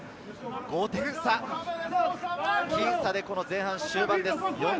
５点差、僅差で前半の終盤です。